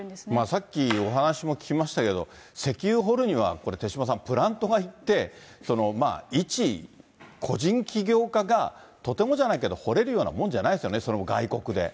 さっきお話も聞きましたけど、石油掘るにはこれ、手嶋さん、プラントが行って、一個人起業家がとてもじゃないけど掘れるようなものじゃないですよね、その外国で。